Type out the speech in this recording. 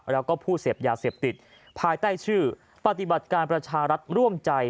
แล้วก็ผู้เสพยาเสพติดภายใต้ชื่อปฏิบัติการประชารัฐร่วมใจ